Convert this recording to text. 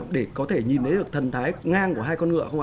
để có thể nhìn thấy được thần thái ngang của hai con ngựa không ạ